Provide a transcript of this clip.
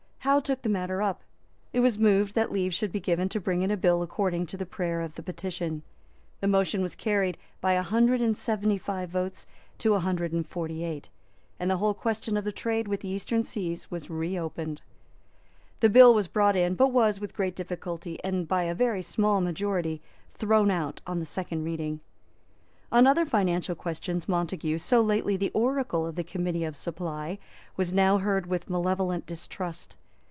Howe took the matter up. It was moved that leave should be given to bring in a bill according to the prayer of the petition; the motion was carried by a hundred and seventy five votes to a hundred and forty eight; and the whole question of the trade with the Eastern seas was reopened. The bill was brought in, but was, with great difficulty and by a very small majority, thrown out on the second reading. On other financial questions Montague, so lately the oracle of the Committee of Supply, was now heard with malevolent distrust.